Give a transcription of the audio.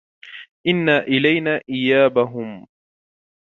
إن إلينا إيابهم